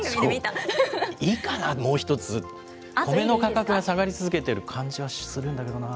イかな、もう１つ、米の価格が下がり続けてる感じはするんだけどな。